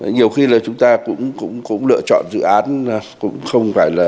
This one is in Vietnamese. nhiều khi là chúng ta cũng lựa chọn dự án cũng không phải là